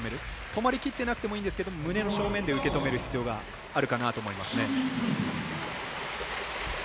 止まりきってなくてもいいんですけど胸の正面で受け止める必要があるかなと思いますね。